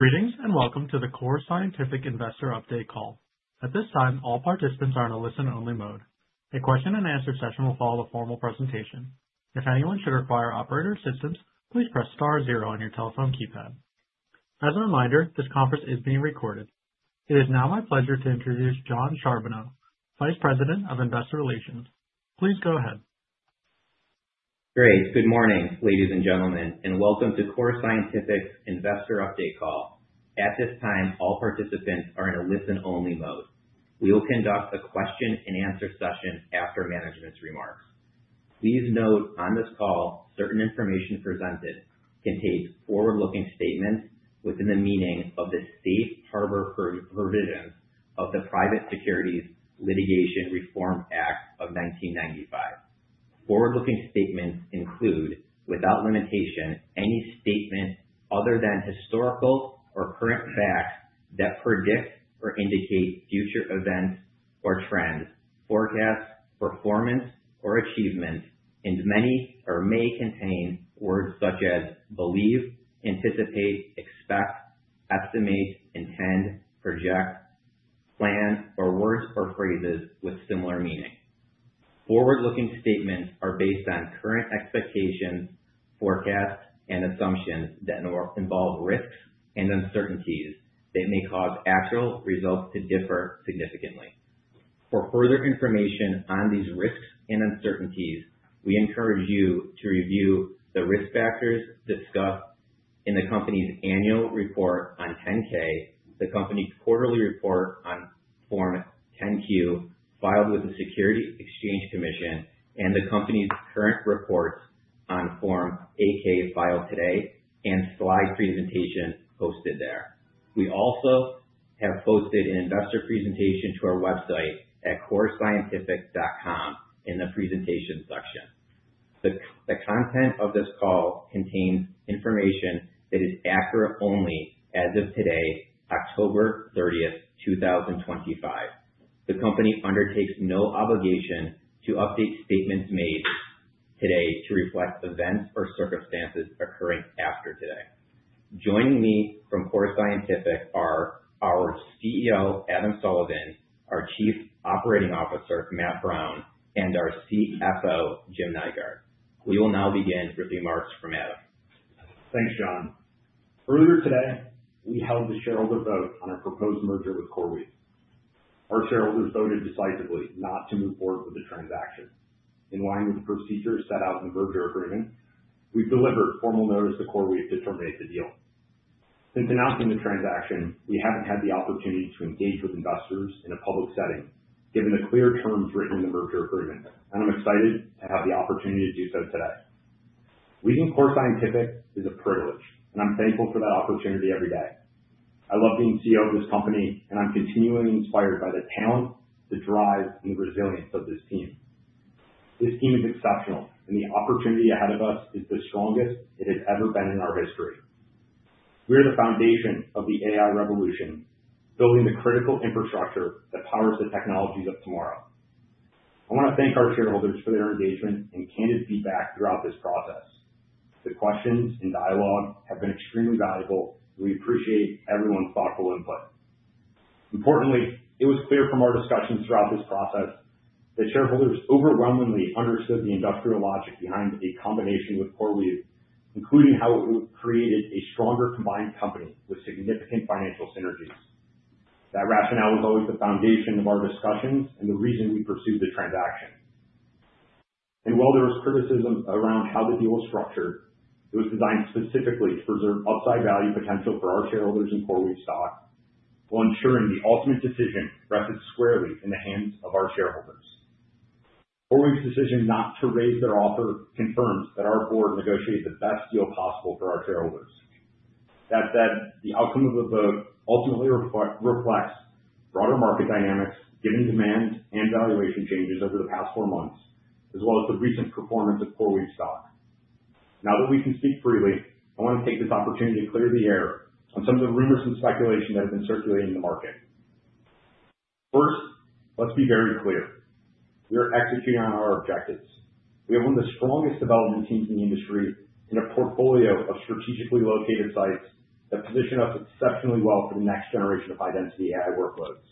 Greetings and welcome to the Core Scientific Investor Update call. At this time, all participants are in a listen-only mode. A question-and-answer session will follow the formal presentation. If anyone should require operator assistance, please press star zero on your telephone keypad. As a reminder, this conference is being recorded. It is now my pleasure to introduce Jon Charbonneau, Vice President of Investor Relations. Please go ahead. Great. Good morning, ladies and gentlemen, and welcome to Core Scientific Investor Update call. At this time, all participants are in a listen-only mode. We will conduct a question-and-answer session after management's remarks. Please note on this call, certain information presented contains forward-looking statements within the meaning of the safe harbor provisions of the Private Securities Litigation Reform Act of 1995. Forward-looking statements include, without limitation, any statement other than historical or current facts that predict or indicate future events or trends, forecasts, performance, or achievements, and many of which may contain words such as believe, anticipate, expect, estimate, intend, project, plan, or words or phrases with similar meaning. Forward-looking statements are based on current expectations, forecasts, and assumptions that involve risks and uncertainties that may cause actual results to differ significantly. For further information on these risks and uncertainties, we encourage you to review the risk factors discussed in the company's annual report on 10-K, the company's quarterly report on Form 10-Q filed with the Securities and Exchange Commission, and the company's current reports on Form 8-K filed today and slide presentation posted there. We also have posted an investor presentation to our website at corescientific.com in the presentation section. The content of this call contains information that is accurate only as of today, October 30th, 2025. The company undertakes no obligation to update statements made today to reflect events or circumstances occurring after today. Joining me from Core Scientific are our CEO, Adam Sullivan, our Chief Operating Officer, Matt Brown, and our CFO, Jim Nygaard. We will now begin with remarks from Adam. Thanks, Jon. Earlier today, we held the shareholder vote on our proposed merger with CoreWeave. Our shareholders voted decisively not to move forward with the transaction. In line with the procedure set out in the merger agreement, we've delivered formal notice to CoreWeave to terminate the deal. Since announcing the transaction, we haven't had the opportunity to engage with investors in a public setting given the clear terms written in the merger agreement, and I'm excited to have the opportunity to do so today. Leading Core Scientific is a privilege, and I'm thankful for that opportunity every day. I love being CEO of this company, and I'm continually inspired by the talent, the drive, and the resilience of this team. This team is exceptional, and the opportunity ahead of us is the strongest it has ever been in our history. We are the foundation of the AI revolution, building the critical infrastructure that powers the technologies of tomorrow. I want to thank our shareholders for their engagement and candid feedback throughout this process. The questions and dialogue have been extremely valuable, and we appreciate everyone's thoughtful input. Importantly, it was clear from our discussions throughout this process that shareholders overwhelmingly understood the industrial logic behind a combination with CoreWeave, including how it created a stronger combined company with significant financial synergies. That rationale was always the foundation of our discussions and the reason we pursued the transaction. And while there was criticism around how the deal was structured, it was designed specifically to preserve upside value potential for our shareholders and CoreWeave stock while ensuring the ultimate decision rested squarely in the hands of our shareholders. CoreWeave's decision not to raise their offer confirms that our board negotiated the best deal possible for our shareholders. That said, the outcome of the vote ultimately reflects broader market dynamics, given demand and valuation changes over the past four months, as well as the recent performance of CoreWeave stock. Now that we can speak freely, I want to take this opportunity to clear the air on some of the rumors and speculation that have been circulating in the market. First, let's be very clear. We are executing on our objectives. We have one of the strongest development teams in the industry and a portfolio of strategically located sites that position us exceptionally well for the next generation of high-density AI workloads.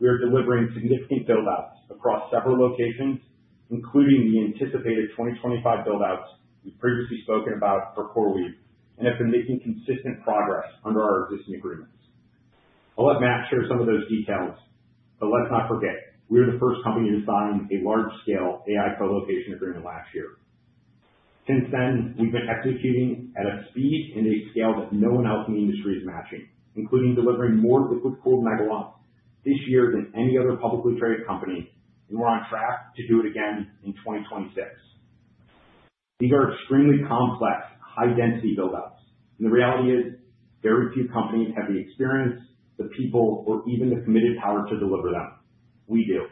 We are delivering significant buildouts across several locations, including the anticipated 2025 buildouts we've previously spoken about for CoreWeave, and have been making consistent progress under our existing agreements. I'll let Matt share some of those details, but let's not forget, we are the first company to sign a large-scale AI colocation agreement last year. Since then, we've been executing at a speed and a scale that no one else in the industry is matching, including delivering more liquid-cooled MW this year than any other publicly traded company, and we're on track to do it again in 2026. These are extremely complex, high-density buildouts, and the reality is very few companies have the experience, the people, or even the committed power to deliver them. We do.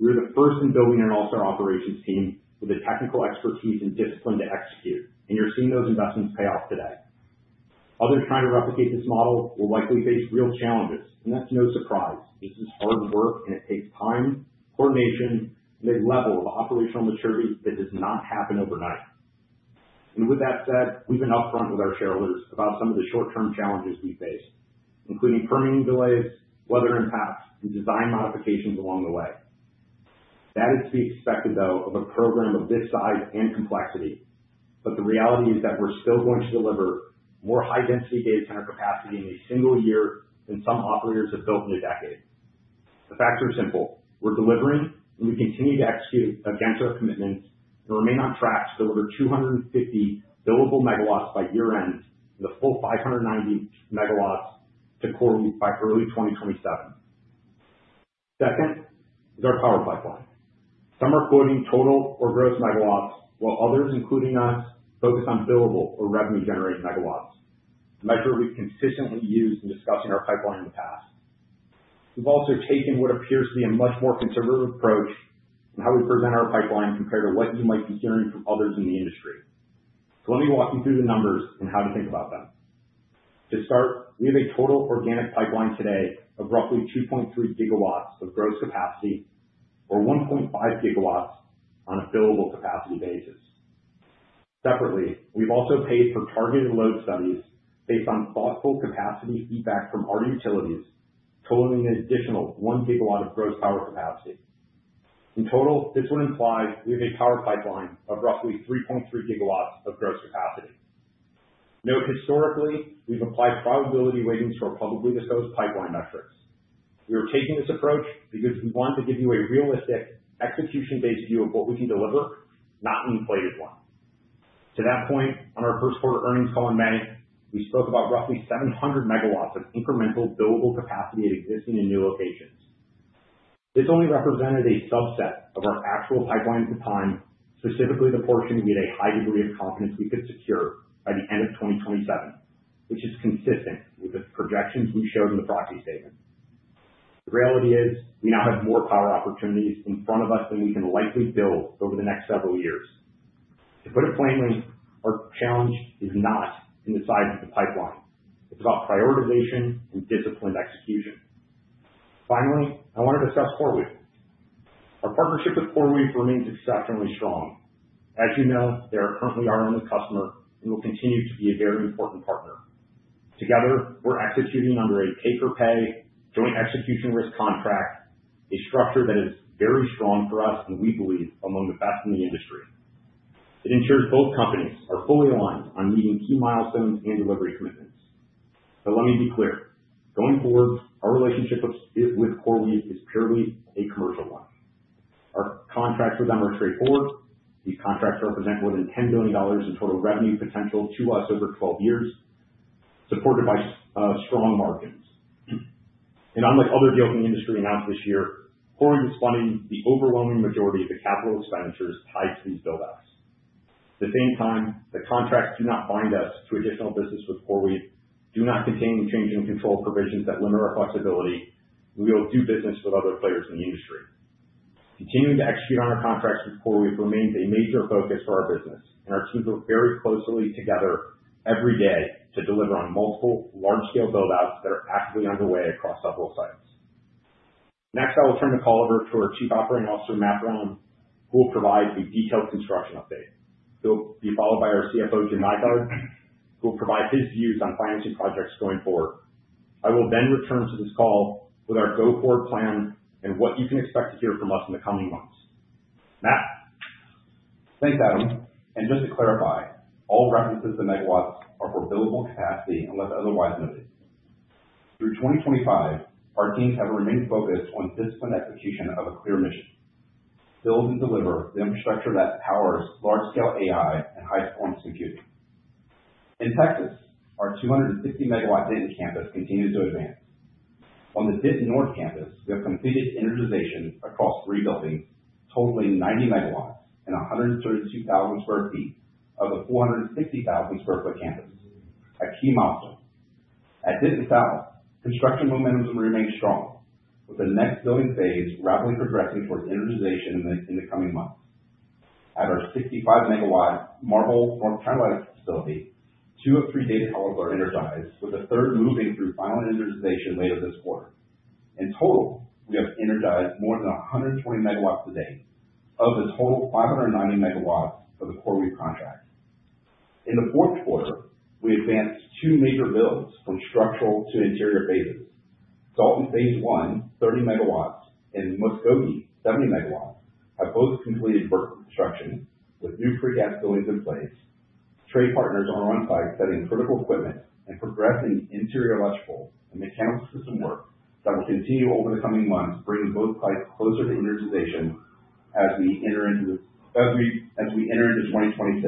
We are the first in building an all-star operations team with the technical expertise and discipline to execute, and you're seeing those investments pay off today. Others trying to replicate this model will likely face real challenges, and that's no surprise. This is hard work, and it takes time, coordination, and a level of operational maturity that does not happen overnight, and with that said, we've been upfront with our shareholders about some of the short-term challenges we face, including permitting delays, weather impacts, and design modifications along the way. That is to be expected, though, of a program of this size and complexity, but the reality is that we're still going to deliver more high-density data center capacity in a single year than some operators have built in a decade. The facts are simple. We're delivering, and we continue to execute against our commitments, and we're remaining on track to deliver 250 billable MW by year-end and the full 590 MW to CoreWeave by early 2027. Second is our power pipeline. Some are quoting total or gross MW, while others, including us, focus on billable or revenue-generating MW, a measure we've consistently used in discussing our pipeline in the past. We've also taken what appears to be a much more conservative approach in how we present our pipeline compared to what you might be hearing from others in the industry. So let me walk you through the numbers and how to think about them. To start, we have a total organic pipeline today of roughly 2.3 GW of gross capacity or 1.5 GW on a billable capacity basis. Separately, we've also paid for targeted load studies based on thoughtful capacity feedback from our utilities, totaling an additional one gigawatt of gross power capacity. In total, this would imply we have a power pipeline of roughly 3.3 GW of gross capacity. Note historically, we've applied probability weightings for publicly disclosed pipeline metrics. We are taking this approach because we want to give you a realistic execution-based view of what we can deliver, not an inflated one. To that point, on our first quarter earnings call in May, we spoke about roughly 700 MW of incremental billable capacity existing in new locations. This only represented a subset of our actual pipeline at the time, specifically the portion we had a high degree of confidence we could secure by the end of 2027, which is consistent with the projections we showed in the proxy statement. The reality is we now have more power opportunities in front of us than we can likely build over the next several years. To put it plainly, our challenge is not in the size of the pipeline. It's about prioritization and disciplined execution. Finally, I want to discuss CoreWeave. Our partnership with CoreWeave remains exceptionally strong. As you know, they are currently our only customer and will continue to be a very important partner. Together, we're executing under a pay-for-pay joint execution risk contract, a structure that is very strong for us and we believe among the best in the industry. It ensures both companies are fully aligned on meeting key milestones and delivery commitments. But let me be clear. Going forward, our relationship with CoreWeave is purely a commercial one. Our contracts with them are straightforward. These contracts represent more than $10 billion in total revenue potential to us over 12 years, supported by strong margins. And unlike other deals in the industry announced this year, CoreWeave is funding the overwhelming majority of the capital expenditures tied to these buildouts. At the same time, the contracts do not bind us to additional business with CoreWeave, do not contain change of control provisions that limit our flexibility, and we will do business with other players in the industry. Continuing to execute on our contracts with CoreWeave remains a major focus for our business, and our teams work very closely together every day to deliver on multiple large-scale buildouts that are actively underway across several sites. Next, I will turn the call over to our Chief Operating Officer, Matt Brown, who will provide a detailed construction update. He'll be followed by our CFO, Jim Nygaard, who will provide his views on financing projects going forward. I will then return to this call with our go-forward plan and what you can expect to hear from us in the coming months. Matt. Thanks, Adam. And just to clarify, all references to MW are for billable capacity unless otherwise noted. Through 2025, our teams have remained focused on disciplined execution of a clear mission: build and deliver the infrastructure that powers large-scale AI and high-performance computing. In Texas, our 250 MW Denton campus continues to advance. On the Denton North campus, we have completed energization across three buildings, totaling 90 MW and 132,000 sq ft of a 460,000 sq ft campus, a key milestone. At Denton South, construction momentum remains strong, with the next building phase rapidly progressing towards energization in the coming months. At our 65 MW Marble North Crown Electric facility, two of three data towers are energized, with the third moving through final energization later this quarter. In total, we have energized more than 120 MW a day of the total 590 MW of the CoreWeave contract. In the fourth quarter, we advanced two major builds from structural to interior phases. Dalton phase I, 30 MW, and Muskogee, 70 MW, have both completed work construction with new precast buildings in place. Trade partners are on site setting critical equipment and progressing interior electrical and mechanical system work that will continue over the coming months, bringing both sites closer to energization as we enter into 2026.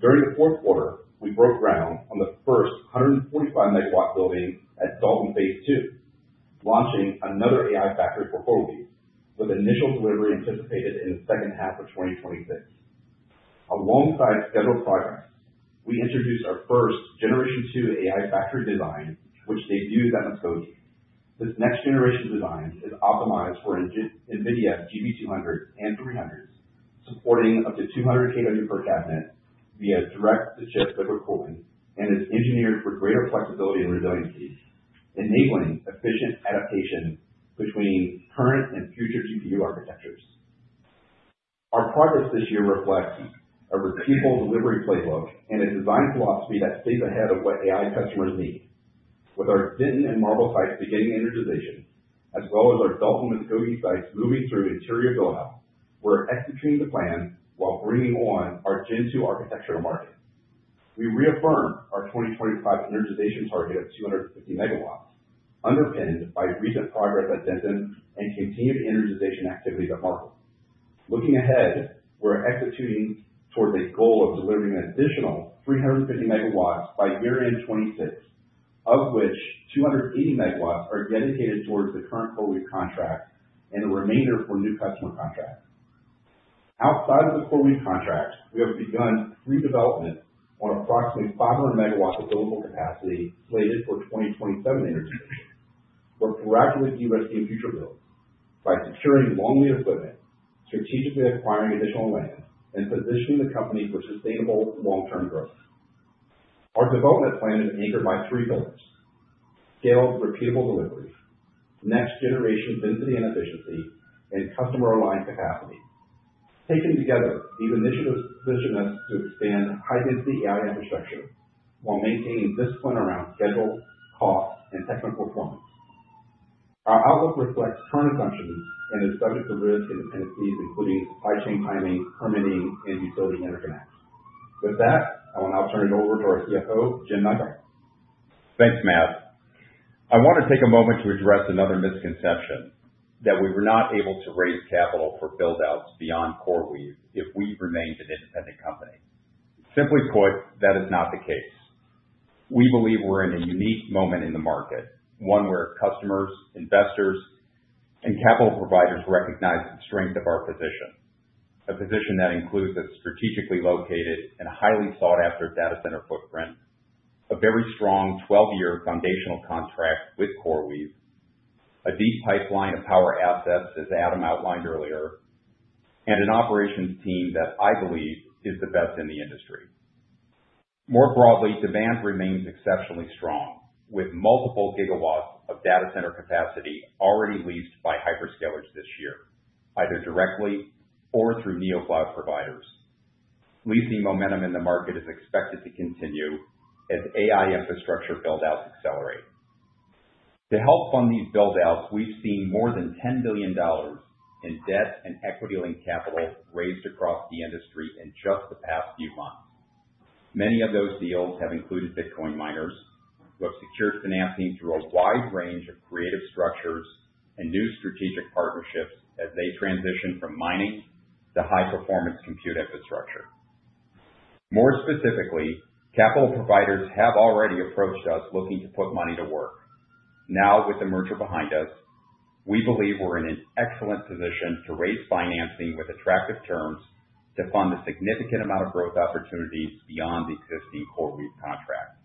During the fourth quarter, we broke ground on the first 145MW building at phase II, launching another AI factory for CoreWeave, with initial delivery anticipated in the second half of 2026. Alongside scheduled projects, we introduced our first generation two AI factory design, which debuts at Muskogee. This next generation design is optimized for NVIDIA GB200s and GB300s, supporting up to 200 kW per cabinet via direct-to-chip liquid cooling and is engineered for greater flexibility and resiliency, enabling efficient adaptation between current and future GPU architectures. Our progress this year reflects a repeatable delivery playbook and a design philosophy that stays ahead of what AI customers need. With our Denton and Marble sites beginning energization, as well as our Dalton and Muskogee sites moving through interior buildout, we're executing the plan while bringing on our Gen Two architecture to market. We reaffirm our 2025 energization target of 250 MW, underpinned by recent progress at Denton and continued energization activities at Marble. Looking ahead, we're executing towards a goal of delivering an additional 350 MW by year-end 2026, of which 280 MW are dedicated towards the current CoreWeave contract and the remainder for new customer contracts. Outside of the CoreWeave contract, we have begun pre-development on approximately 500 MW of billable capacity slated for 2027 energization. We're proactively investing in future builds by securing long lead equipment, strategically acquiring additional land, and positioning the company for sustainable long-term growth. Our development plan is anchored by three pillars: scaled repeatable delivery, next-generation density and efficiency, and customer-aligned capacity. Taken together, these initiatives position us to expand high-density AI infrastructure while maintaining discipline around schedule, cost, and technical performance. Our outlook reflects current assumptions and is subject to risk and dependencies, including supply chain timing, permitting, and utility interconnects. With that, I will now turn it over to our CFO, Jim Nygaard. Thanks, Matt. I want to take a moment to address another misconception that we were not able to raise capital for buildouts beyond CoreWeave if we remained an independent company. Simply put, that is not the case. We believe we're in a unique moment in the market, one where customers, investors, and capital providers recognize the strength of our position, a position that includes a strategically located and highly sought-after data center footprint, a very strong 12-year foundational contract with CoreWeave, a deep pipeline of power assets, as Adam outlined earlier, and an operations team that I believe is the best in the industry. More broadly, demand remains exceptionally strong, with multiple gigawatts of data center capacity already leased by hyperscalers this year, either directly or through NeoCloud providers. Leasing momentum in the market is expected to continue as AI infrastructure buildouts accelerate. To help fund these buildouts, we've seen more than $10 billion in debt and equity-linked capital raised across the industry in just the past few months. Many of those deals have included Bitcoin miners who have secured financing through a wide range of creative structures and new strategic partnerships as they transition from mining to high-performance compute infrastructure. More specifically, capital providers have already approached us looking to put money to work. Now, with the merger behind us, we believe we're in an excellent position to raise financing with attractive terms to fund a significant amount of growth opportunities beyond the existing CoreWeave contract.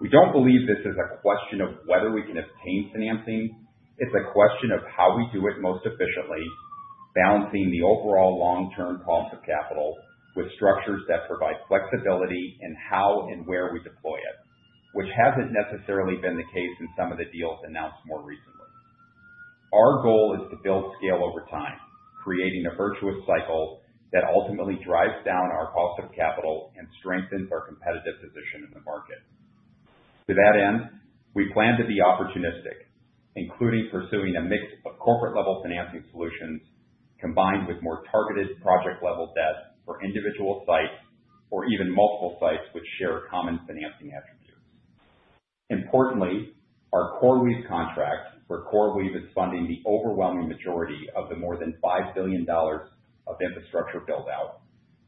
We don't believe this is a question of whether we can obtain financing. It's a question of how we do it most efficiently, balancing the overall long-term cost of capital with structures that provide flexibility in how and where we deploy it, which hasn't necessarily been the case in some of the deals announced more recently. Our goal is to build scale over time, creating a virtuous cycle that ultimately drives down our cost of capital and strengthens our competitive position in the market. To that end, we plan to be opportunistic, including pursuing a mix of corporate-level financing solutions combined with more targeted project-level debt for individual sites or even multiple sites which share common financing attributes. Importantly, our CoreWeave contract, where CoreWeave is funding the overwhelming majority of the more than $5 billion of infrastructure buildout,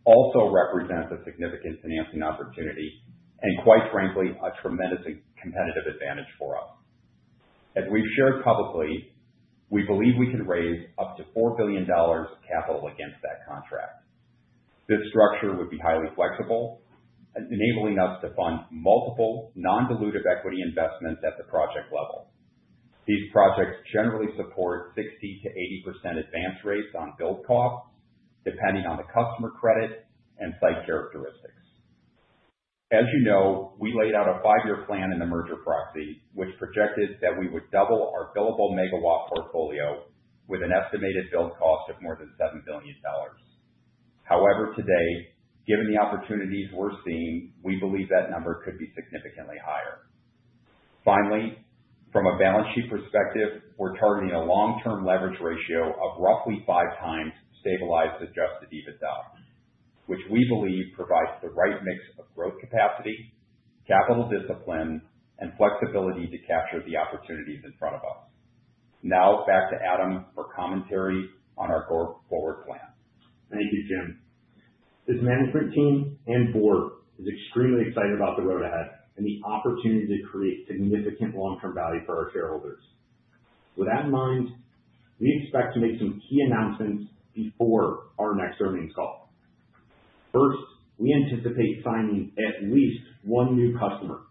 also represents a significant financing opportunity and, quite frankly, a tremendous competitive advantage for us. As we've shared publicly, we believe we can raise up to $4 billion of capital against that contract. This structure would be highly flexible, enabling us to fund multiple non-dilutive equity investments at the project level. These projects generally support 60%-80% advance rates on build costs, depending on the customer credit and site characteristics. As you know, we laid out a five-year plan in the merger proxy, which projected that we would double our billable MW portfolio with an estimated build cost of more than $7 billion. However, today, given the opportunities we're seeing, we believe that number could be significantly higher. Finally, from a balance sheet perspective, we're targeting a long-term leverage ratio of roughly five times stabilized adjusted EBITDA, which we believe provides the right mix of growth capacity, capital discipline, and flexibility to capture the opportunities in front of us. Now, back to Adam for commentary on our go-forward plan. Thank you, Jim. This management team and board is extremely excited about the road ahead and the opportunity to create significant long-term value for our shareholders. With that in mind, we expect to make some key announcements before our next earnings call. First, we anticipate signing at least one new customer,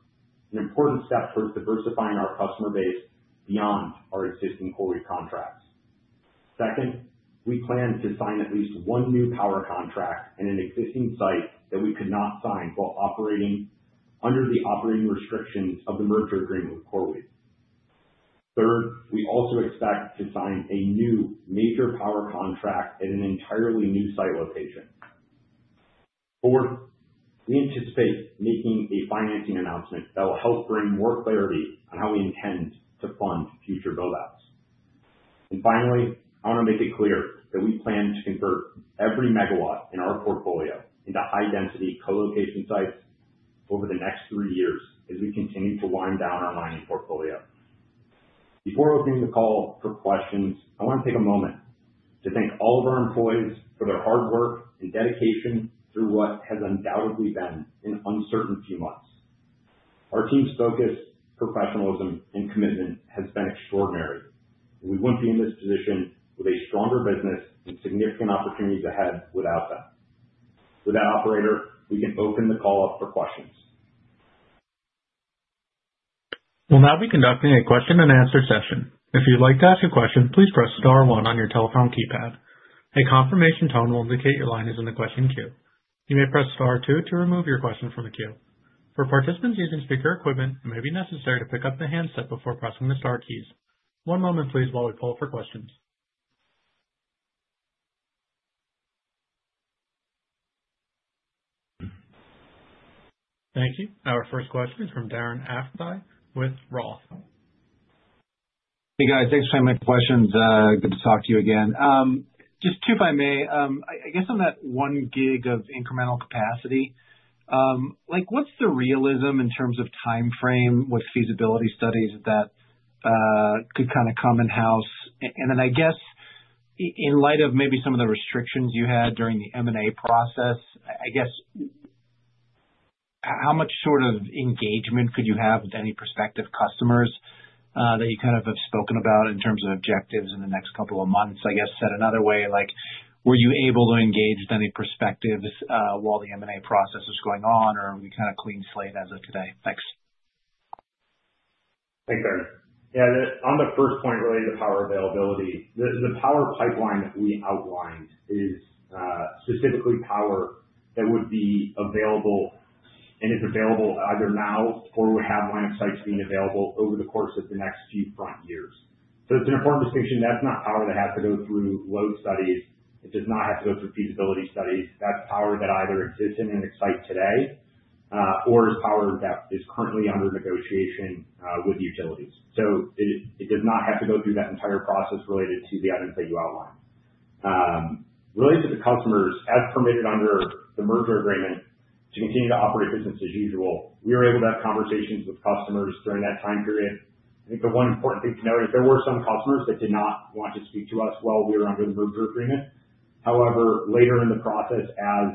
an important step towards diversifying our customer base beyond our existing CoreWeave contracts. Second, we plan to sign at least one new power contract at an existing site that we could not sign while operating under the operating restrictions of the merger agreement with CoreWeave. Third, we also expect to sign a new major power contract at an entirely new site location. Fourth, we anticipate making a financing announcement that will help bring more clarity on how we intend to fund future buildouts. And finally, I want to make it clear that we plan to convert every MW in our portfolio into high-density colocation sites over the next three years as we continue to wind down our mining portfolio. Before opening the call for questions, I want to take a moment to thank all of our employees for their hard work and dedication through what has undoubtedly been an uncertain few months. Our team's focus, professionalism, and commitment have been extraordinary, and we wouldn't be in this position with a stronger business and significant opportunities ahead without them. With that, operator, we can open the call up for questions. We'll now be conducting a question-and-answer session. If you'd like to ask a question, please press star one on your telephone keypad. A confirmation tone will indicate your line is in the question queue. You may press star two to remove your question from the queue. For participants using speaker equipment, it may be necessary to pick up the handset before pressing the Star keys. One moment, please, while we pull up for questions. Thank you. Our first question is from Darren Aftahi with Roth. Hey, guys. Thanks for my questions. Good to talk to you again. Just to, if I may, I guess on that one gig of incremental capacity, what's the realism in terms of timeframe, what feasibility studies that could kind of come in-house? And then I guess in light of maybe some of the restrictions you had during the M&A process, I guess how much sort of engagement could you have with any prospective customers that you kind of have spoken about in terms of objectives in the next couple of months? I guess said another way, were you able to engage with any prospectives while the M&A process was going on, or are we kind of clean slate as of today? Thanks. Thanks, Darren. Yeah, on the first point related to power availability, the power pipeline that we outlined is specifically power that would be available, and it's available either now or we have line of sight being available over the course of the next few years. So it's an important distinction. That's not power that has to go through load studies. It does not have to go through feasibility studies. That's power that either exists in existing today or is power that is currently under negotiation with utilities. So it does not have to go through that entire process related to the items that you outlined. Related to the customers, as permitted under the merger agreement, to continue to operate business as usual, we were able to have conversations with customers during that time period. I think the one important thing to note is there were some customers that did not want to speak to us while we were under the merger agreement. However, later in the process, as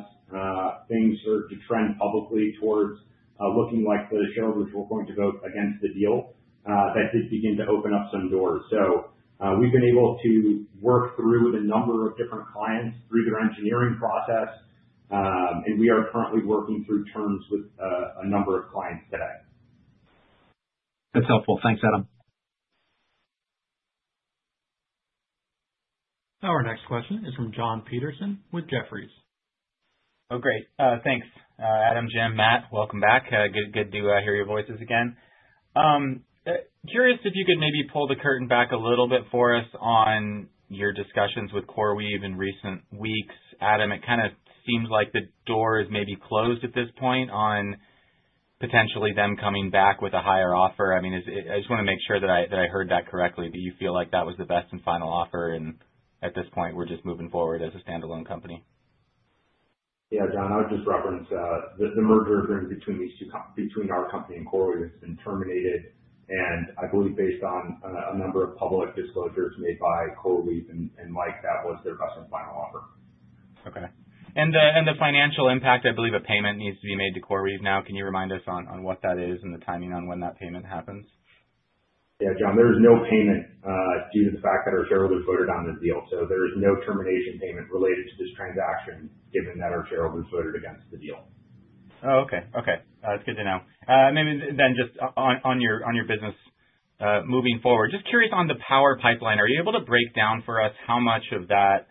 things started to trend publicly towards looking like the shareholders were going to vote against the deal, that did begin to open up some doors, so we've been able to work through with a number of different clients through their engineering process, and we are currently working through terms with a number of clients today. That's helpful. Thanks, Adam. Our next question is from Jon Peterson with Jefferies. Oh, great. Thanks, Adam, Jim, Matt. Welcome back. Good to hear your voices again. Curious if you could maybe pull the curtain back a little bit for us on your discussions with CoreWeave in recent weeks. Adam, it kind of seems like the door is maybe closed at this point on potentially them coming back with a higher offer. I mean, I just want to make sure that I heard that correctly, that you feel like that was the best and final offer, and at this point, we're just moving forward as a standalone company. Yeah, John, I would just reference the merger agreement between our company and CoreWeave has been terminated, and I believe based on a number of public disclosures made by CoreWeave and Mike, that was their best and final offer. Okay, and the financial impact, I believe a payment needs to be made to CoreWeave now. Can you remind us on what that is and the timing on when that payment happens? Yeah, John, there is no payment due to the fact that our shareholders voted on the deal. So there is no termination payment related to this transaction given that our shareholders voted against the deal. Oh, okay. Okay. That's good to know. Maybe then just on your business moving forward, just curious on the power pipeline, are you able to break down for us how much of that,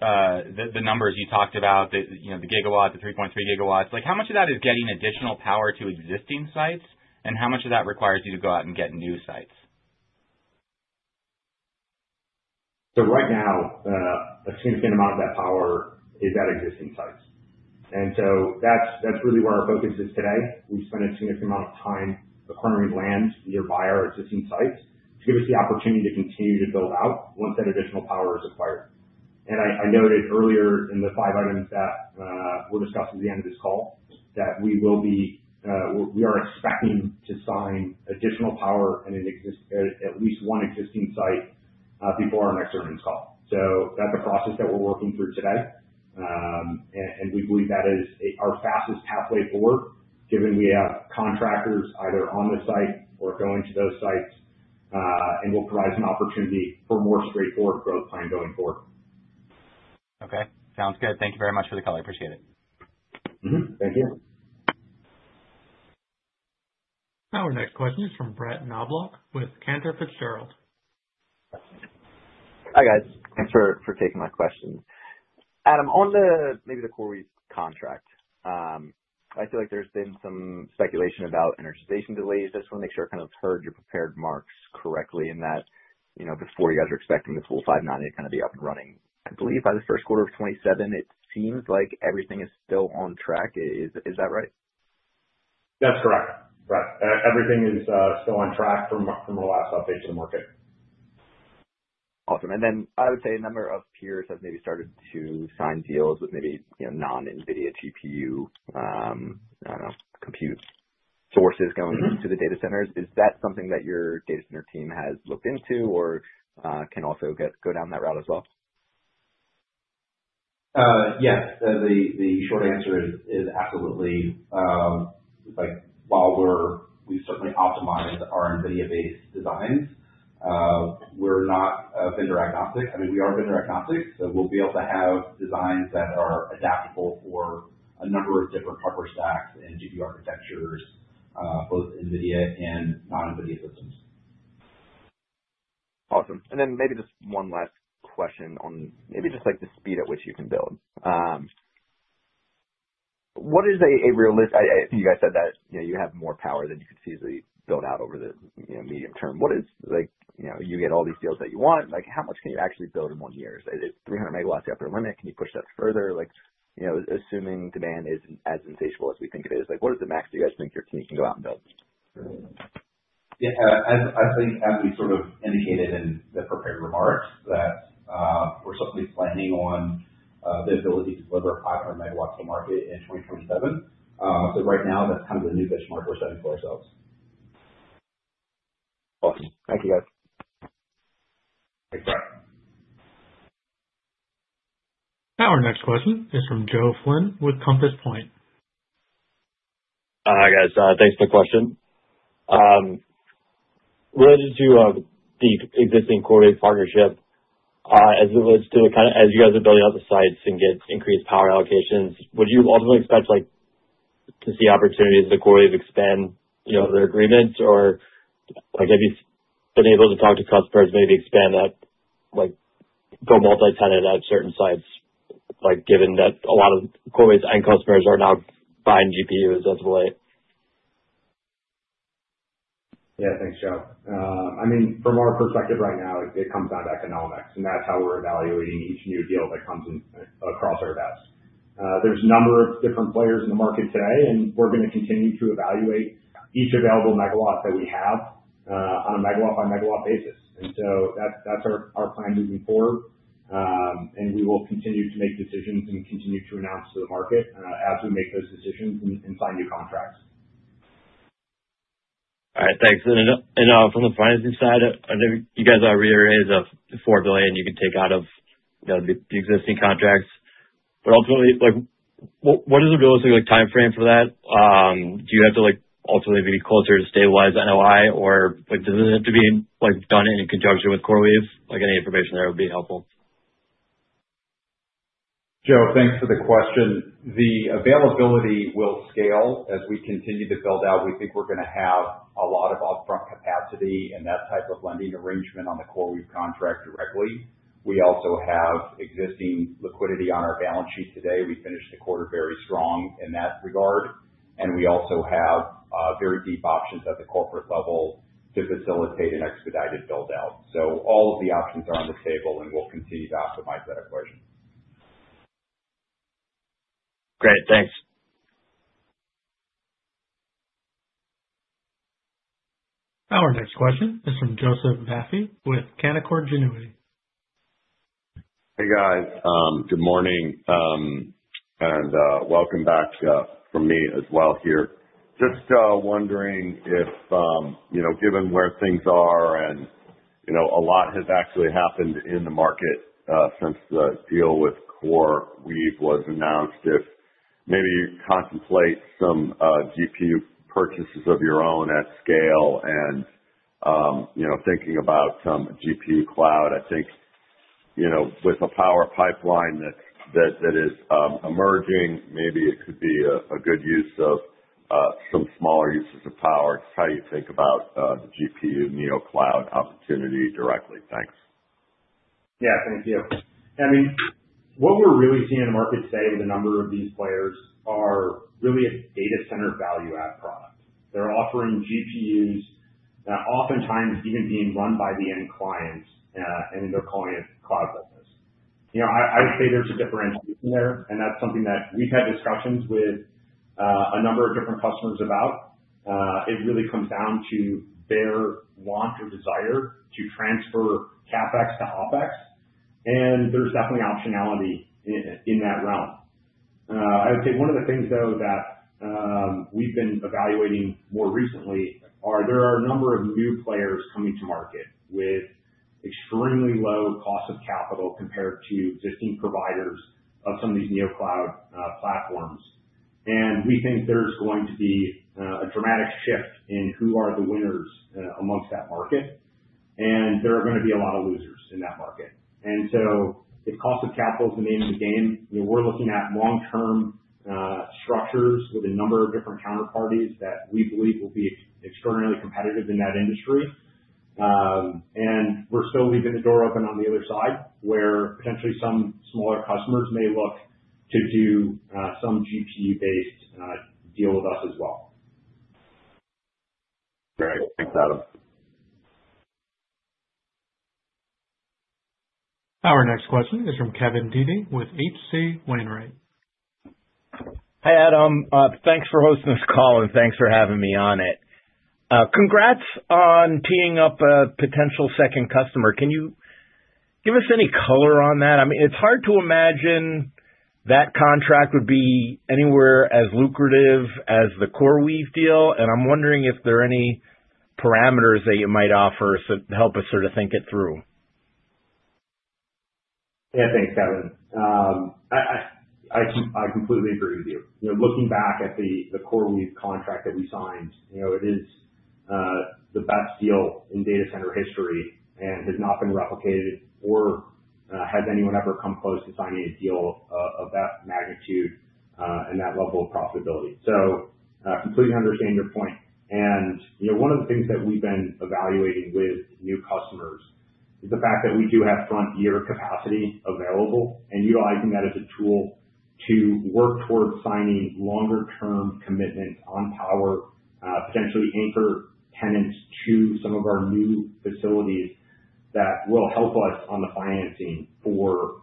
the numbers you talked about, the gigawatts, the 3.3 GW, how much of that is getting additional power to existing sites, and how much of that requires you to go out and get new sites? Right now, a significant amount of that power is at existing sites. That's really where our focus is today. We spent a significant amount of time acquiring land nearby our existing sites to give us the opportunity to continue to build out once that additional power is acquired. I noted earlier in the five items that were discussed at the end of this call that we are expecting to sign additional power at least one existing site before our next earnings call. That's a process that we're working through today, and we believe that is our fastest pathway forward given we have contractors either on the site or going to those sites, and we'll provide some opportunity for more straightforward growth plan going forward. Okay. Sounds good. Thank you very much for the call. I appreciate it. Thank you. Our next question is from Brett Knoblauch with Cantor Fitzgerald. Hi, guys. Thanks for taking my question. Adam, on maybe the CoreWeave contract, I feel like there's been some speculation about energization delays. I just want to make sure I kind of heard your prepared remarks correctly in that before you guys were expecting the full 590 to kind of be up and running, I believe by the first quarter of 2027, it seems like everything is still on track. Is that right? That's correct. Right. Everything is still on track from our last update to the market. Awesome. And then I would say a number of peers have maybe started to sign deals with maybe non-NVIDIA GPU, I don't know, compute sources going into the data centers. Is that something that your data center team has looked into or can also go down that route as well? Yes. The short answer is absolutely. While we've certainly optimized our NVIDIA-based designs, we're not vendor agnostic. I mean, we are vendor agnostic, so we'll be able to have designs that are adaptable for a number of different hardware stacks and GPU architectures, both NVIDIA and non-NVIDIA systems. Awesome. And then maybe just one last question on maybe just the speed at which you can build. What is a realistic, you guys said that you have more power than you could easily build out over the medium term. What if you get all these deals that you want. How much can you actually build in one year? Is it 300 MW at your upper limit? Can you push that further? Assuming demand isn't as insatiable as we think it is, what is the max that you guys think your team can go out and build? Yeah. I think, as we sort of indicated in the prepared remarks, that we're certainly planning on the ability to deliver 500 MW to the market in 2027, so right now, that's kind of the new benchmark we're setting for ourselves. Awesome. Thank you, guys. Thanks, Brett. Our next question is from Joe Flynn with Compass Point. Hi, guys. Thanks for the question. Related to the existing CoreWeave partnership, as it relates to kind of as you guys are building out the sites and get increased power allocations, would you ultimately expect to see opportunities to CoreWeave expand their agreements? Or have you been able to talk to customers, maybe expand that, go multi-tenant at certain sites, given that a lot of CoreWeave and customers are now buying GPUs as of late? Yeah. Thanks, Joe. I mean, from our perspective right now, it comes down to economics, and that's how we're evaluating each new deal that comes across our desk. There's a number of different players in the market today, and we're going to continue to evaluate each available MW that we have on a MW-by-MW basis. And so that's our plan moving forward, and we will continue to make decisions and continue to announce to the market as we make those decisions and sign new contracts. All right. Thanks. And from the financing side, I know you guys are reiterating the $4 billion you can take out of the existing contracts. But ultimately, what is the realistic timeframe for that? Do you have to ultimately be closer to stabilize NOI, or does it have to be done in conjunction with CoreWeave? Any information there would be helpful. Joe, thanks for the question. The availability will scale as we continue to build out. We think we're going to have a lot of upfront capacity and that type of lending arrangement on the CoreWeave contract directly. We also have existing liquidity on our balance sheet today. We finished the quarter very strong in that regard, and we also have very deep options at the corporate level to facilitate an expedited buildout, so all of the options are on the table, and we'll continue to optimize that equation. Great. Thanks. Our next question is from Joseph Vafi with Canaccord Genuity. Hey, guys. Good morning, and welcome back from me as well here. Just wondering if, given where things are and a lot has actually happened in the market since the deal with CoreWeave was announced, if maybe you contemplate some GPU purchases of your own at scale and thinking about some GPU cloud. I think with a power pipeline that is emerging, maybe it could be a good use of some smaller uses of power. It's how you think about the GPU NeoCloud opportunity directly. Thanks. Yeah. Thank you. I mean, what we're really seeing in the market today with a number of these players are really a data center value-add product. They're offering GPUs that oftentimes even being run by the end clients, and they're calling it cloud business. I would say there's a differentiation there, and that's something that we've had discussions with a number of different customers about. It really comes down to their want or desire to transfer CapEx to OpEx, and there's definitely optionality in that realm. I would say one of the things, though, that we've been evaluating more recently are there are a number of new players coming to market with extremely low cost of capital compared to existing providers of some of these NeoCloud platforms. And we think there's going to be a dramatic shift in who are the winners among that market, and there are going to be a lot of losers in that market. And so if cost of capital is the name of the game, we're looking at long-term structures with a number of different counterparties that we believe will be extraordinarily competitive in that industry. And we're still leaving the door open on the other side where potentially some smaller customers may look to do some GPU-based deal with us as well. Great. Thanks, Adam. Our next question is from Kevin Dede with H.C. Wainwright. Hi, Adam. Thanks for hosting this call, and thanks for having me on it. Congrats on teeing up a potential second customer. Can you give us any color on that? I mean, it's hard to imagine that contract would be anywhere as lucrative as the CoreWeave deal, and I'm wondering if there are any parameters that you might offer to help us sort of think it through. Yeah. Thanks, Kevin. I completely agree with you. Looking back at the CoreWeave contract that we signed, it is the best deal in data center history and has not been replicated or has anyone ever come close to signing a deal of that magnitude and that level of profitability. So I completely understand your point, and one of the things that we've been evaluating with new customers is the fact that we do have frontier capacity available and utilizing that as a tool to work towards signing longer-term commitments on power, potentially anchor tenants to some of our new facilities that will help us on the financing for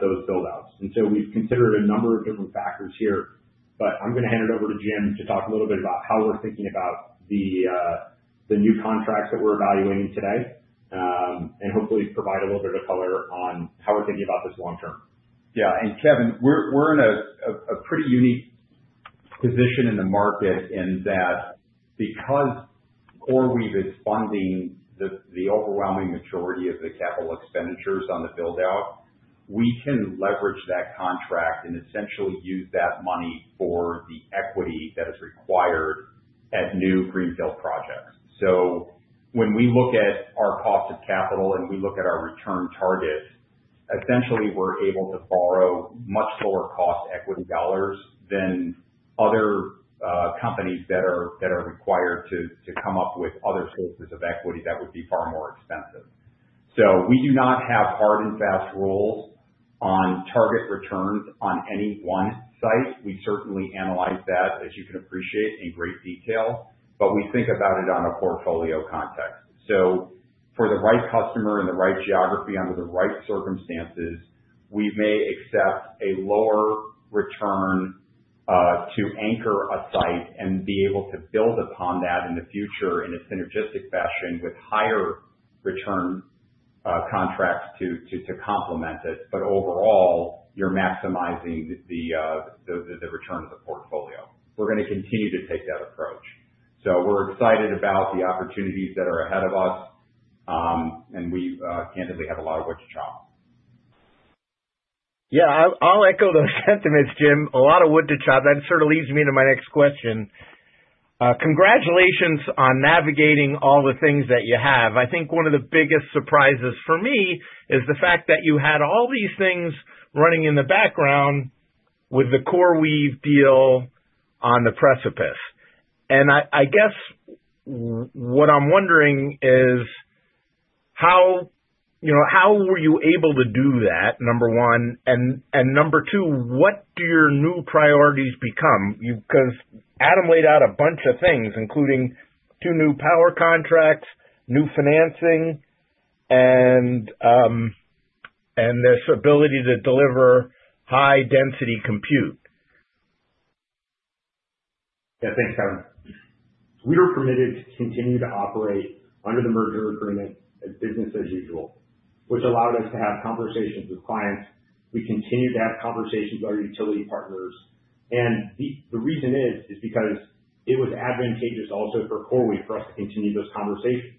those buildouts. And so we've considered a number of different factors here, but I'm going to hand it over to Jim to talk a little bit about how we're thinking about the new contracts that we're evaluating today and hopefully provide a little bit of color on how we're thinking about this long term. Yeah. And Kevin, we're in a pretty unique position in the market in that because CoreWeave is funding the overwhelming majority of the capital expenditures on the buildout, we can leverage that contract and essentially use that money for the equity that is required at new greenfield projects. So when we look at our cost of capital and we look at our return target, essentially we're able to borrow much lower-cost equity dollars than other companies that are required to come up with other sources of equity that would be far more expensive. We do not have hard and fast rules on target returns on any one site. We certainly analyze that, as you can appreciate, in great detail, but we think about it on a portfolio context. For the right customer and the right geography under the right circumstances, we may accept a lower return to anchor a site and be able to build upon that in the future in a synergistic fashion with higher return contracts to complement it. But overall, you're maximizing the return of the portfolio. We're going to continue to take that approach. We're excited about the opportunities that are ahead of us, and we candidly have a lot of wood to chop. Yeah. I'll echo those sentiments, Jim. A lot of wood to chop. That sort of leads me into my next question. Congratulations on navigating all the things that you have. I think one of the biggest surprises for me is the fact that you had all these things running in the background with the CoreWeave deal on the precipice. And I guess what I'm wondering is how were you able to do that, number one? And number two, what do your new priorities become? Because Adam laid out a bunch of things, including two new power contracts, new financing, and this ability to deliver high-density compute. Yeah. Thanks, Kevin. We were permitted to continue to operate under the merger agreement as business as usual, which allowed us to have conversations with clients. We continued to have conversations with our utility partners. And the reason is because it was advantageous also for CoreWeave for us to continue those conversations.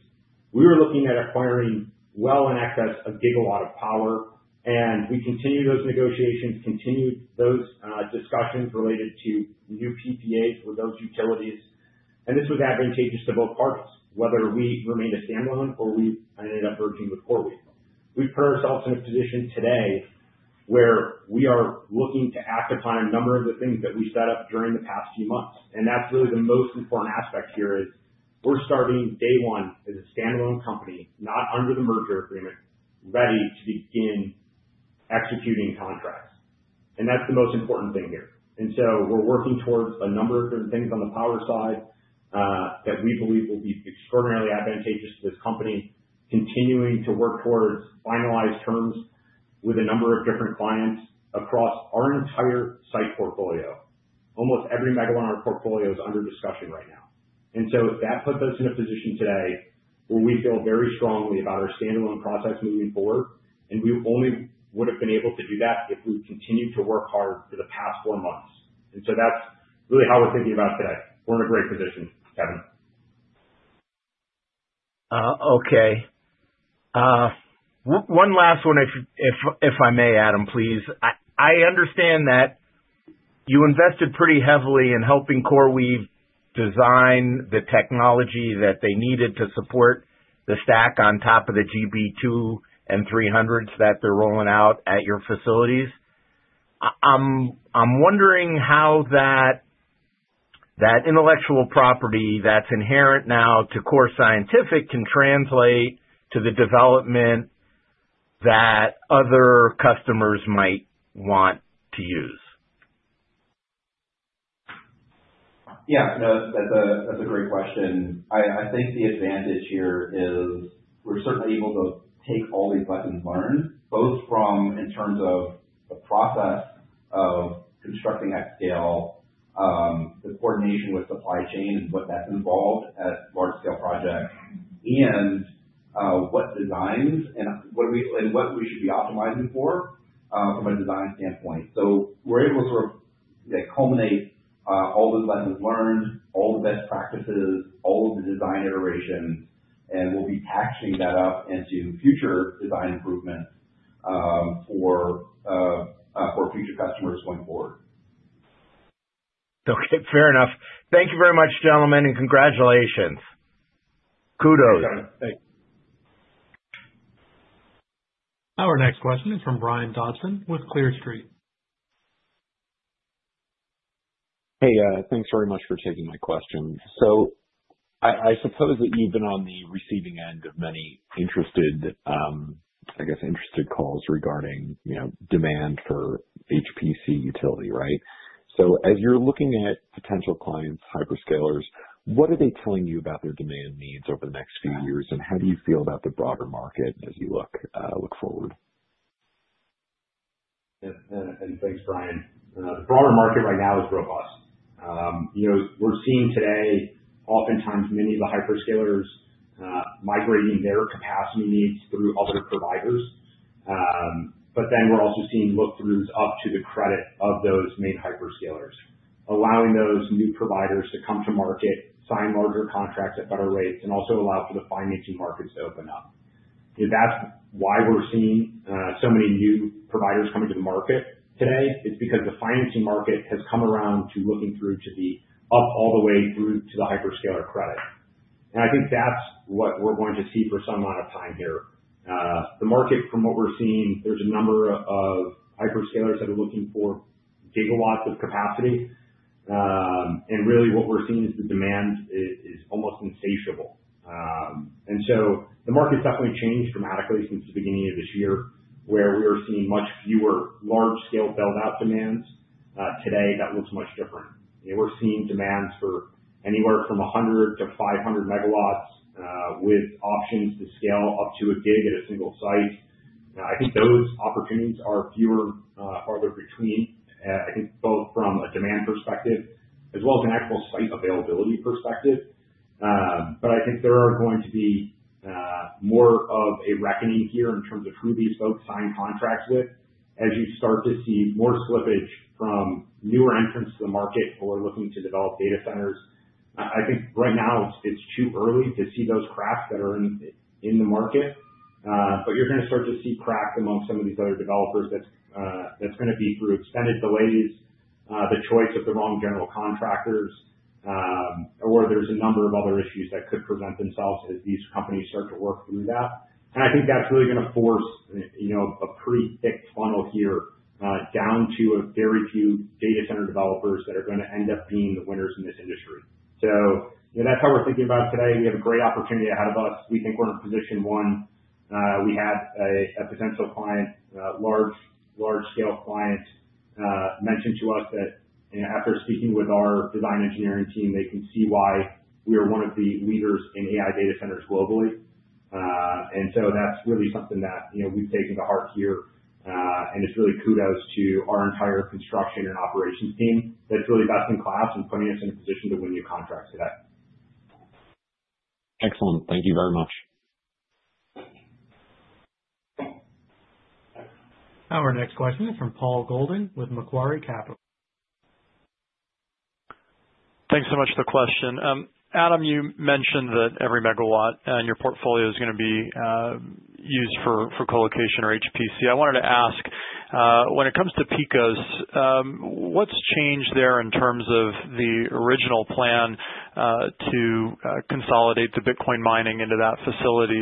We were looking at acquiring well in excess of a gigawatt of power, and we continued those negotiations, continued those discussions related to new PPAs for those utilities. And this was advantageous to both parties, whether we remained a standalone or we ended up merging with CoreWeave. We've put ourselves in a position today where we are looking to act upon a number of the things that we set up during the past few months. And that's really the most important aspect here is we're starting day one as a standalone company, not under the merger agreement, ready to begin executing contracts. And that's the most important thing here. And so we're working towards a number of different things on the power side that we believe will be extraordinarily advantageous to this company, continuing to work towards finalized terms with a number of different clients across our entire site portfolio. Almost every MW in our portfolio is under discussion right now. And so that puts us in a position today where we feel very strongly about our standalone process moving forward, and we only would have been able to do that if we continued to work hard for the past four months. And so that's really how we're thinking about it today. We're in a great position, Kevin. Okay. One last one, if I may, Adam, please. I understand that you invested pretty heavily in helping CoreWeave design the technology that they needed to support the stack on top of the GB200 and GB300s that they're rolling out at your facilities. I'm wondering how that intellectual property that's inherent now to Core Scientific can translate to the development that other customers might want to use. Yeah. No, that's a great question. I think the advantage here is we're certainly able to take all these lessons learned, both in terms of the process of constructing at scale, the coordination with supply chain and what that's involved at large-scale projects, and what designs and what we should be optimizing for from a design standpoint. So we're able to sort of culminate all those lessons learned, all the best practices, all of the design iterations, and we'll be taking that up into future design improvements for future customers going forward. Okay. Fair enough. Thank you very much, gentlemen, and congratulations. Kudos. Thanks. Our next question is from Brian Dobson with Clear Street. Hey, thanks very much for taking my question. So I suppose that you've been on the receiving end of many, I guess, interested calls regarding demand for HPC utility, right? So as you're looking at potential clients, hyperscalers, what are they telling you about their demand needs over the next few years, and how do you feel about the broader market as you look forward? Thanks, Brian. The broader market right now is robust. We're seeing today, oftentimes, many of the hyperscalers migrating their capacity needs through other providers. Then we're also seeing look-throughs up to the credit of those main hyperscalers, allowing those new providers to come to market, sign larger contracts at better rates, and also allow for the financing markets to open up. That's why we're seeing so many new providers coming to the market today. It's because the financing market has come around to looking through to the up all the way through to the hyperscaler credit. I think that's what we're going to see for some amount of time here. The market, from what we're seeing, there's a number of hyperscalers that are looking for gigawatts of capacity. Really, what we're seeing is the demand is almost insatiable. And so the market's definitely changed dramatically since the beginning of this year, where we were seeing much fewer large-scale buildout demands. Today, that looks much different. We're seeing demands for anywhere from 100 to 500 MW with options to scale up to a gig at a single site. I think those opportunities are fewer farther between, I think, both from a demand perspective as well as an actual site availability perspective. But I think there are going to be more of a reckoning here in terms of who these folks sign contracts with as you start to see more slippage from newer entrants to the market who are looking to develop data centers. I think right now it's too early to see those cracks that are in the market, but you're going to start to see cracks among some of these other developers. That's going to be through extended delays, the choice of the wrong general contractors, or there's a number of other issues that could present themselves as these companies start to work through that. I think that's really going to force a pretty thick funnel here down to a very few data center developers that are going to end up being the winners in this industry. That's how we're thinking about it today. We have a great opportunity ahead of us. We think we're in position one. We had a potential client, large-scale client, mention to us that after speaking with our design engineering team, they can see why we are one of the leaders in AI data centers globally. That's really something that we've taken to heart here. It's really kudos to our entire construction and operations team that's really best in class and putting us in a position to win new contracts today. Excellent. Thank you very much. Our next question is from Paul Golding with Macquarie Capital. Thanks so much for the question. Adam, you mentioned that every mrgawatt in your portfolio is going to be used for colocation or HPC. I wanted to ask, when it comes to PICOs, what's changed there in terms of the original plan to consolidate the Bitcoin mining into that facility?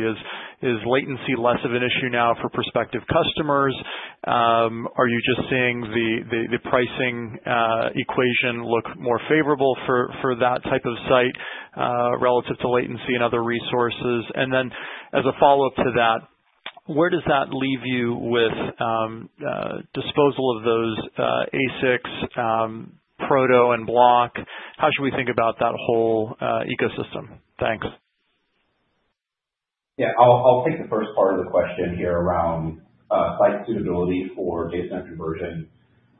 Is latency less of an issue now for prospective customers? Are you just seeing the pricing equation look more favorable for that type of site relative to latency and other resources? And then as a follow-up to that, where does that leave you with disposal of those ASICs, ProTo, and Block? How should we think about that whole ecosystem? Thanks. Yeah. I'll take the first part of the question here around site suitability for data center conversion.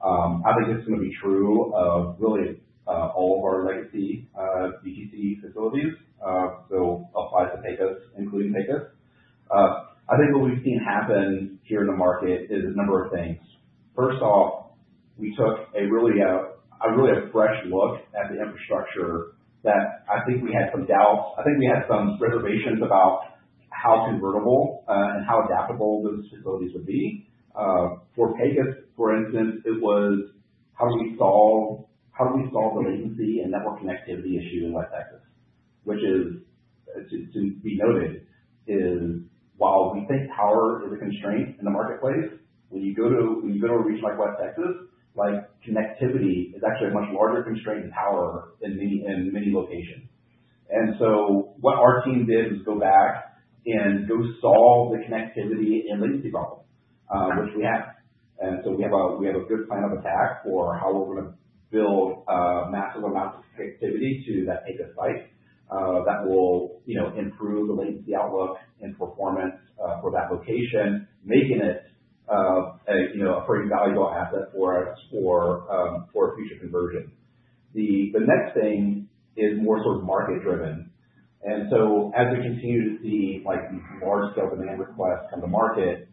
I think it's going to be true of really all of our legacy HPC facilities, so all of our HPCs, including HPCs. I think what we've seen happen here in the market is a number of things. First off, we took a really fresh look at the infrastructure that I think we had some doubts. I think we had some reservations about how convertible and how adaptable those facilities would be. For HPCs, for instance, it was, how do we solve the latency and network connectivity issue in West Texas, which is, to be noted, while we think power is a constraint in the marketplace, when you go to a region like West Texas, connectivity is actually a much larger constraint than power in many locations. And so what our team did was go back and go solve the connectivity and latency problem, which we have. And so we have a good plan of attack for how we're going to build massive amounts of connectivity to that PICO site that will improve the latency outlook and performance for that location, making it a pretty valuable asset for us for future conversion. The next thing is more sort of market-driven. And so as we continue to see these large-scale demand requests come to market,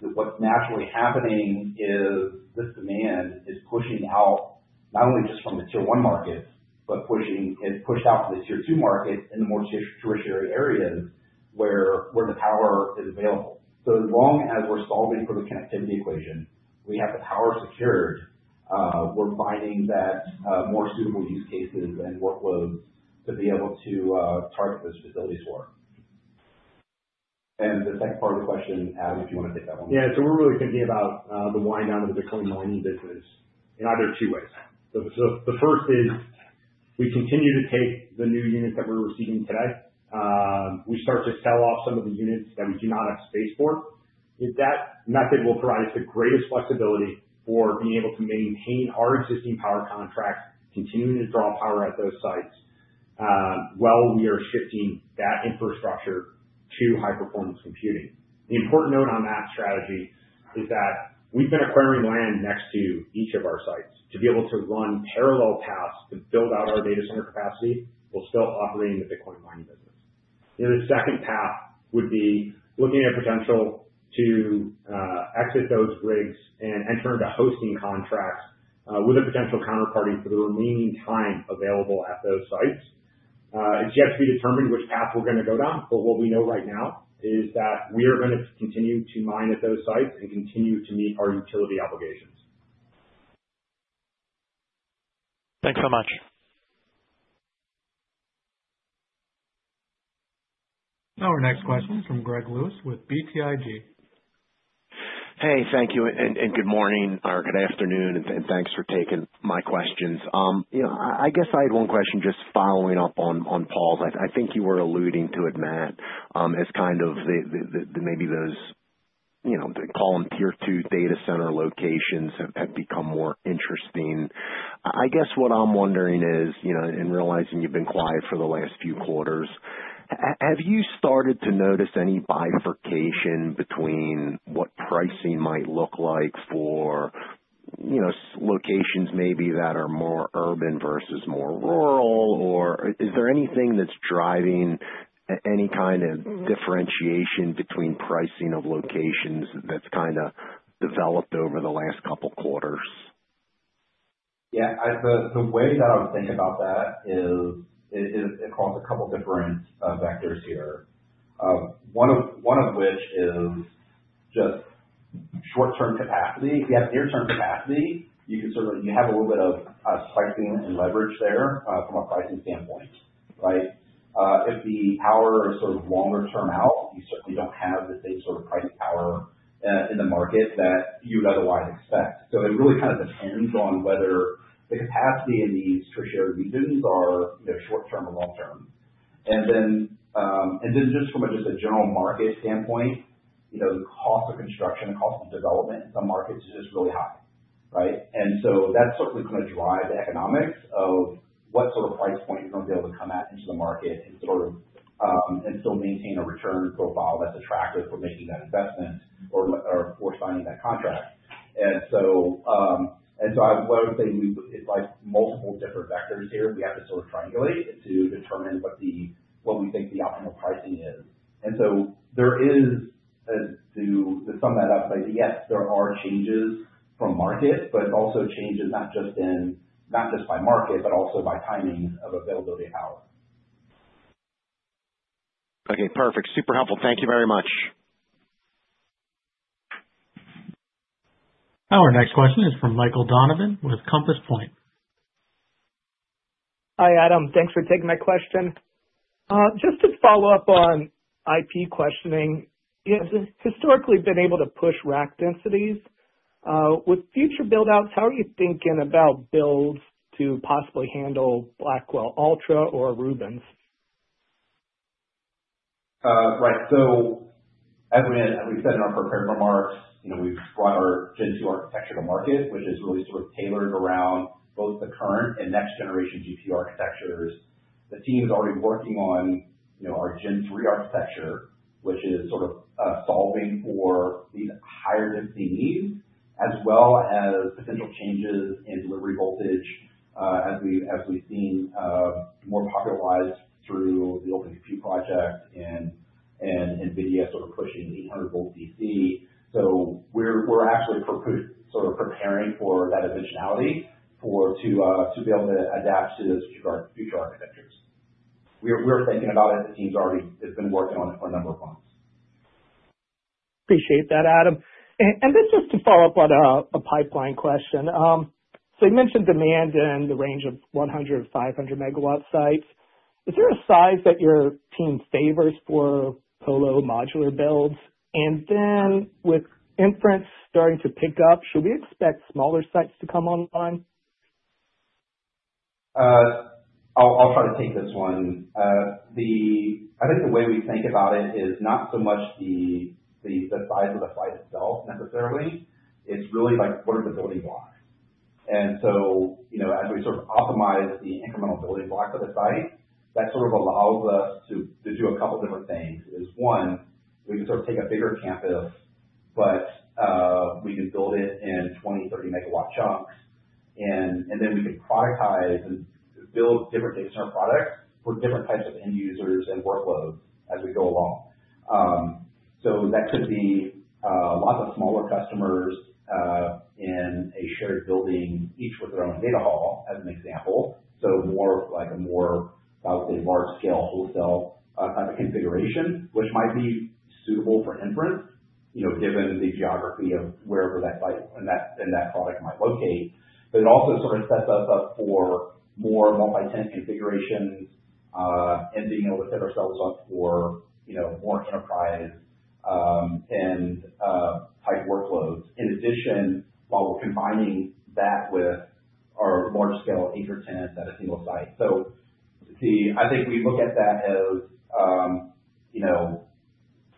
what's naturally happening is this demand is pushing out not only just from the tier-one markets, but it's pushed out to the tier-two markets in the more tertiary areas where the power is available. So as long as we're solving for the connectivity equation, we have the power secured, we're finding that more suitable use cases and workloads to be able to target those facilities for. And the second part of the question, Adam, if you want to take that one. Yeah. So we're really thinking about the wind-down of the Bitcoin mining business in either two ways. The first is we continue to take the new units that we're receiving today. We start to sell off some of the units that we do not have space for. That method will provide us the greatest flexibility for being able to maintain our existing power contracts, continuing to draw power at those sites while we are shifting that infrastructure to high-performance computing. The important note on that strategy is that we've been acquiring land next to each of our sites to be able to run parallel paths to build out our data center capacity while still operating the Bitcoin mining business. The second path would be looking at potential to exit those rigs and enter into hosting contracts with a potential counterparty for the remaining time available at those sites. It's yet to be determined which path we're going to go down, but what we know right now is that we are going to continue to mine at those sites and continue to meet our utility obligations. Thanks so much. Our next question is from Greg Lewis with BTIG. Hey, thank you and good morning or good afternoon, and thanks for taking my questions. I guess I had one question just following up on Paul's. I think you were alluding to it, Matt, as kind of maybe the kinda tier-two data center locations have become more interesting. I guess what I'm wondering is, and realizing you've been quiet for the last few quarters, have you started to notice any bifurcation between what pricing might look like for locations maybe that are more urban versus more rural? Or is there anything that's driving any kind of differentiation between pricing of locations that's kind of developed over the last couple of quarters? Yeah. The way that I would think about that is it calls a couple of different vectors here, one of which is just short-term capacity. If you have near-term capacity, you have a little bit of pricing and leverage there from a pricing standpoint, right? If the power is sort of longer-term out, you certainly don't have the same sort of pricing power in the market that you would otherwise expect. So it really kind of depends on whether the capacity in these tertiary regions are short-term or long-term. And then just from a general market standpoint, the cost of construction, the cost of development in some markets is just really high, right? And so that's certainly going to drive the economics of what sort of price point you're going to be able to come at into the market and still maintain a return profile that's attractive for making that investment or signing that contract. And so I would say it's like multiple different vectors here. We have to sort of triangulate to determine what we think the optimal pricing is. And so there is, to sum that up, yes, there are changes from market, but it's also changes not just by market, but also by timing of availability of power. Okay. Perfect. Super helpful. Thank you very much. Our next question is from Michael Donovan with Compass Point. Hi, Adam. Thanks for taking my question. Just to follow up on HPC questioning, you have historically been able to push rack densities. With future buildouts, how are you thinking about builds to possibly handle Blackwell Ultra or Rubin? Right. So as we said in our prepared remarks, we've brought our Gen 2 architecture to market, which is really sort of tailored around both the current and next-generation GPU architectures. The team is already working on our Gen 3 architecture, which is sort of solving for these higher density needs, as well as potential changes in delivery voltage as we've seen more popularized through the Open Compute Project and NVIDIA sort of pushing 800-volt DC. So we're actually sort of preparing for that additionality to be able to adapt to those future architectures. We're thinking about it. The team's already been working on it for a number of months. Appreciate that, Adam, and then just to follow up on a pipeline question. So you mentioned demand in the range of 100 to 500 MW sites. Is there a size that your team favors for colo modular builds? And then with inference starting to pick up, should we expect smaller sites to come online? I'll try to take this one. I think the way we think about it is not so much the size of the site itself necessarily. It's really what are the building blocks? And so as we sort of optimize the incremental building blocks of the site, that sort of allows us to do a couple of different things. One, we can sort of take a bigger campus, but we can build it in 20- and 30MW chunks, and then we can productize and build different data center products for different types of end users and workloads as we go along. So that could be lots of smaller customers in a shared building, each with their own data hall, as an example. So more of a large-scale wholesale type of configuration, which might be suitable for inference given the geography of wherever that site and that product might locate. But it also sort of sets us up for more multi-tenant configurations and being able to set ourselves up for more enterprise-type workloads, in addition, while we're combining that with our large-scale agent tenants at a single site. So I think we look at that as a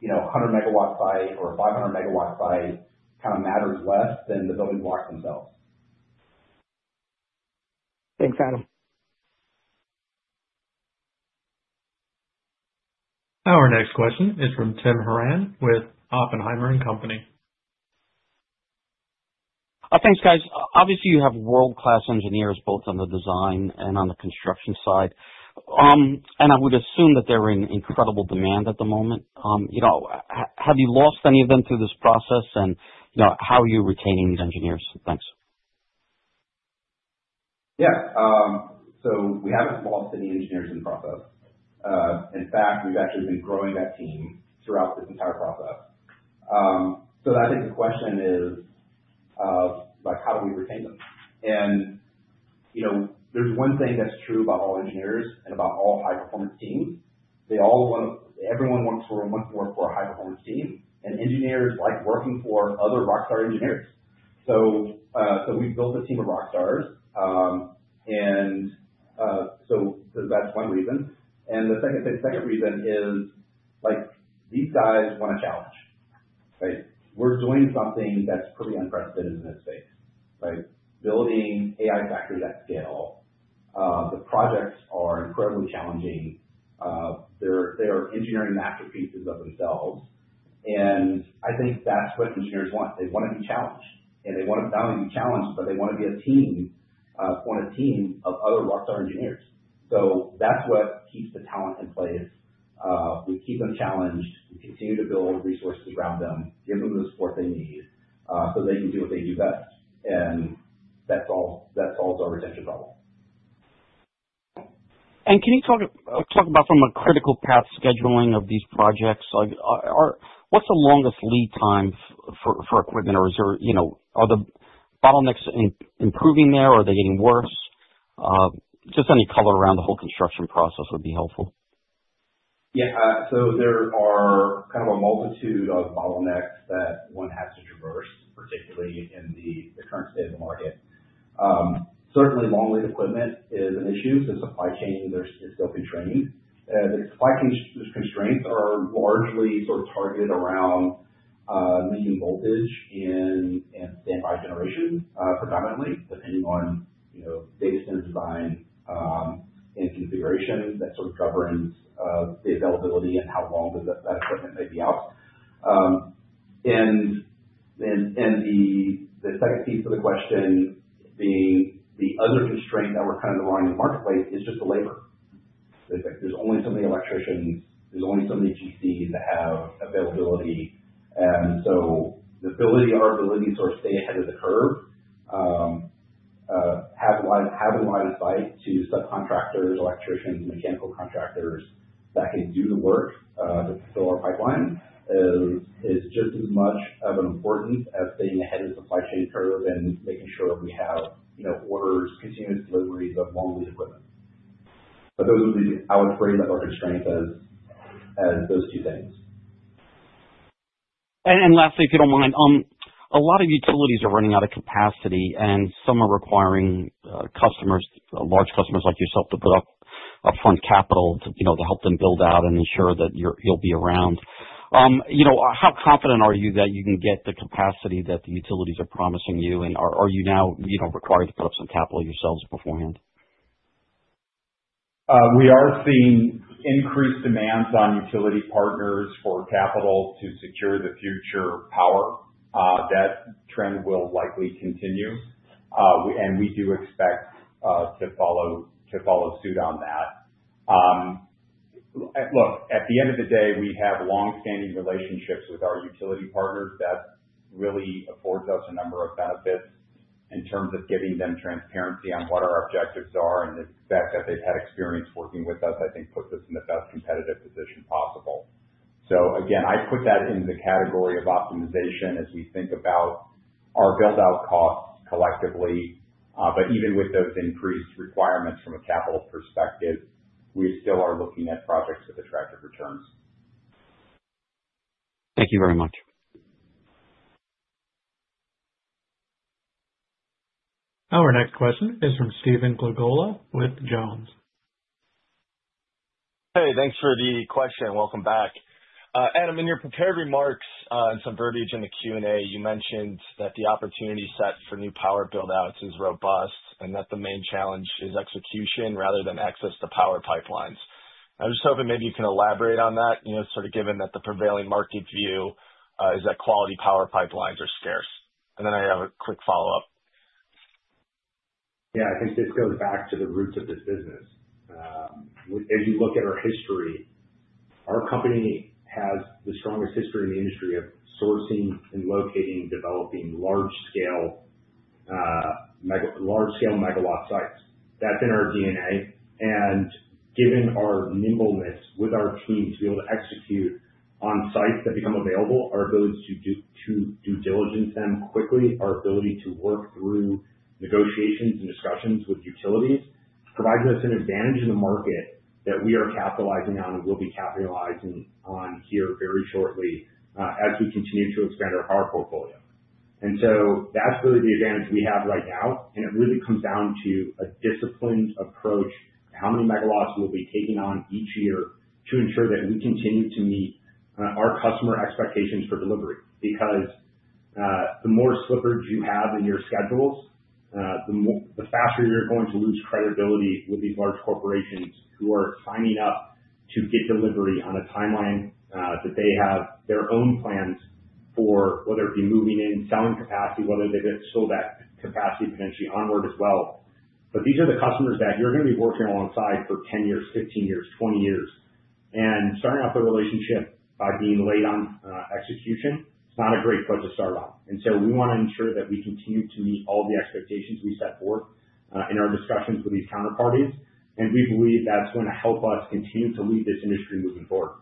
100MW site or a 500MW site kind of matters less than the building blocks themselves. Thanks, Adam. Our next question is from Tim Horan with Oppenheimer & Co. Thanks, guys. Obviously, you have world-class engineers both on the design and on the construction side. And I would assume that they're in incredible demand at the moment. Have you lost any of them through this process, and how are you retaining these engineers? Thanks. Yeah. So we haven't lost any engineers in the process. In fact, we've actually been growing that team throughout this entire process. So I think the question is, how do we retain them? And there's one thing that's true about all engineers and about all high-performance teams. Everyone wants to work for a high-performance team, and engineers like working for other rock star engineers. So we've built a team of rock stars. And so that's one reason. And the second reason is these guys want a challenge, right? We're doing something that's pretty unprecedented in this space, right? Building AI factories at scale. The projects are incredibly challenging. They are engineering masterpieces of themselves. And I think that's what engineers want. They want to be challenged. And they want to not only be challenged, but they want to be a team on a team of other rock star engineers. So that's what keeps the talent in place. We keep them challenged. We continue to build resources around them, give them the support they need so they can do what they do best. And that solves our retention problem. Can you talk about from a critical path scheduling of these projects? What's the longest lead time for equipment? Are the bottlenecks improving there? Are they getting worse? Just any color around the whole construction process would be helpful. Yeah. So there are kind of a multitude of bottlenecks that one has to traverse, particularly in the current state of the market. Certainly, long lead equipment is an issue. So supply chain is still constrained. The supply chain constraints are largely sort of targeted around medium voltage and standby generation predominantly, depending on data center design and configuration that sort of governs the availability and how long that equipment may be out. And the second piece of the question being the other constraint that we're kind of drawing in the marketplace is just the labor. There's only so many electricians. There's only so many GCs that have availability. Our ability to sort of stay ahead of the curve, having a lot of sites to subcontractors, electricians, mechanical contractors that can do the work to fill our pipeline is just as much of an importance as staying ahead of the supply chain curve and making sure we have orders, continuous deliveries of long lead equipment. Those would be. I would frame our constraints as those two things. Lastly, if you don't mind, a lot of utilities are running out of capacity, and some are requiring large customers like yourself to put up upfront capital to help them build out and ensure that you'll be around. How confident are you that you can get the capacity that the utilities are promising you? And are you now required to put up some capital yourselves beforehand? We are seeing increased demands on utility partners for capital to secure the future power. That trend will likely continue. And we do expect to follow suit on that. Look, at the end of the day, we have long-standing relationships with our utility partners that really afford us a number of benefits in terms of giving them transparency on what our objectives are. And the fact that they've had experience working with us, I think, puts us in the best competitive position possible. So again, I put that in the category of optimization as we think about our buildout costs collectively. But even with those increased requirements from a capital perspective, we still are looking at projects with attractive returns. Thank you very much. Our next question is from Stephen Glagola with Jones. Hey, thanks for the question. Welcome back. Adam, in your prepared remarks and some verbiage in the Q&A, you mentioned that the opportunity set for new power buildouts is robust and that the main challenge is execution rather than access to power pipelines. I was just hoping maybe you can elaborate on that, sort of given that the prevailing market view is that quality power pipelines are scarce. And then I have a quick follow-up. Yeah. I think this goes back to the roots of this business. As you look at our history, our company has the strongest history in the industry of sourcing and locating and developing large-scale MW sites. That's in our DNA, and given our nimbleness with our team to be able to execute on sites that become available, our ability to due diligence them quickly, our ability to work through negotiations and discussions with utilities provides us an advantage in the market that we are capitalizing on and will be capitalizing on here very shortly as we continue to expand our power portfolio, and so that's really the advantage we have right now, and it really comes down to a disciplined approach to how many MW we'll be taking on each year to ensure that we continue to meet our customer expectations for delivery. Because the more slippages you have in your schedules, the faster you're going to lose credibility with these large corporations who are signing up to get delivery on a timeline that they have their own plans for, whether it be moving in, selling capacity, whether they've sold that capacity potentially onward as well. But these are the customers that you're going to be working alongside for 10 years, 15 years, 20 years. And starting off the relationship by being late on execution, it's not a great place to start off. And so we want to ensure that we continue to meet all the expectations we set forth in our discussions with these counterparties. And we believe that's going to help us continue to lead this industry moving forward.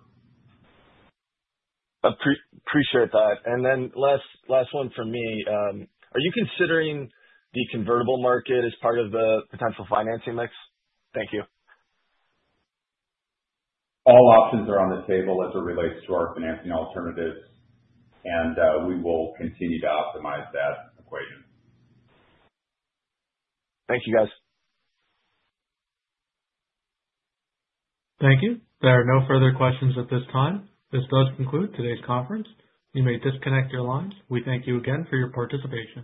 Appreciate that. And then last one from me. Are you considering the convertible market as part of the potential financing mix? Thank you. All options are on the table as it relates to our financing alternatives, and we will continue to optimize that equation. Thank you, guys. Thank you. There are no further questions at this time. This does conclude today's conference. You may disconnect your lines. We thank you again for your participation.